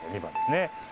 ２番ですね。